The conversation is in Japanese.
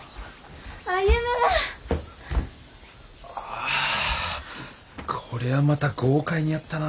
ああこりゃあまた豪快にやったな。